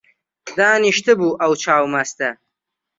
دانیشتبوو ئەو چاو مەستە